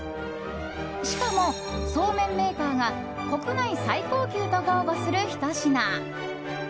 しかも、そうめんメーカーが国内最高級と豪語するひと品。